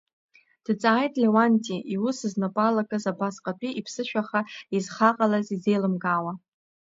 Дҵааит Леуанти, иус знапы алакыз абасҟатәи иԥсышәаха изхаҟалаз изеилымкаауа.